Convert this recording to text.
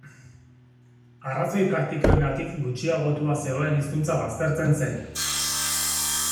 Arrazoi praktikoengatik gutxiagotua zegoen hizkuntza baztertzen zen.